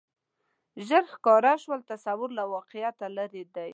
ژر ښکاره شول تصور له واقعیته لرې دی